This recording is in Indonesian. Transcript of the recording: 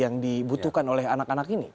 yang dibutuhkan oleh anak anak ini